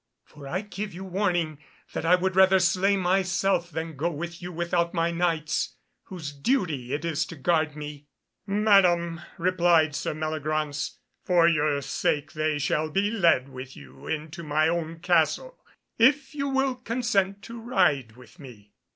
For I give you warning that I would rather slay myself than go with you without my Knights, whose duty it is to guard me." "Madam," replied Sir Meliagraunce, "for your sake they shall be led with you into my own castle, if you will consent to ride with me."